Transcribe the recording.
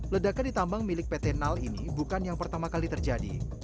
ledakan di tambang milik pt nal ini bukan yang pertama kali terjadi